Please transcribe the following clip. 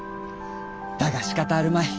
だがしかたあるまい。